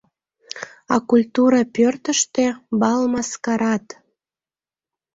— А Культура пӧртыштӧ — бал-маскарад!